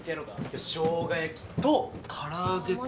今日しょうが焼きと空揚げと。